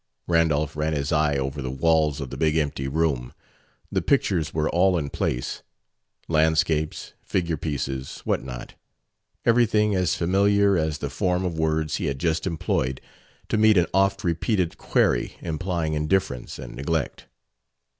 Randolph ran his eye over the walls of the big empty room. The pictures were all in place landscapes, figure pieces, what not; everything as familiar as the form of words he had just employed to meet an oft repeated query implying indifference and neglect.